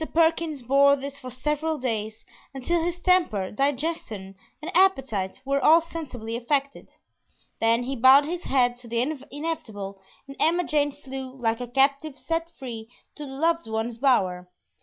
Perkins bore this for several days until his temper, digestion, and appetite were all sensibly affected; then he bowed his head to the inevitable, and Emma Jane flew, like a captive set free, to the loved one's bower.